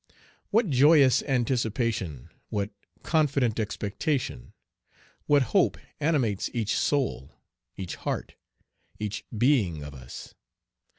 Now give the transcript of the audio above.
What joyous anticipation, what confident expectation, what hope animates each soul, each heart, each being of us!